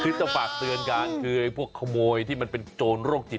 คือจะฝากเตือนกันคือไอ้พวกขโมยที่มันเป็นโจรโรคจิต